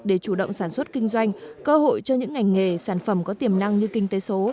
để chủ động sản xuất kinh doanh cơ hội cho những ngành nghề sản phẩm có tiềm năng như kinh tế số